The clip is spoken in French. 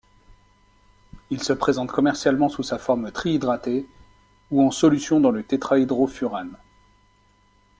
Il se présente commercialement sous sa forme trihydratée ou en solution dans le tétrahydrofurane.